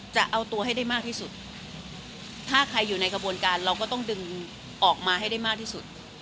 จะเอาตัวให้ได้มากที่สุดถ้าใครอยู่ในกระบวนการเราก็ต้องดึงออกมาให้ได้มากที่สุด